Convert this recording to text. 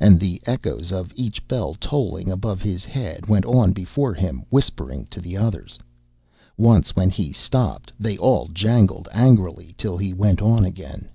And the echoes of each bell tolling above his head went on before him whispering to the others. Once when he stopped they all jangled angrily till he went on again.